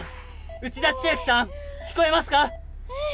内田千秋さん聞こえますか？